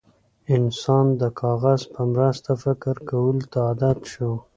انسان د کاغذ په مرسته فکر کولو ته عادت شو.